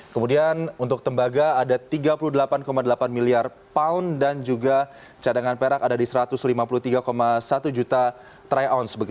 kemudian untuk tembaga ada tiga puluh delapan delapan miliar pound dan juga cadangan perak ada di satu ratus lima puluh tiga satu juta try ounce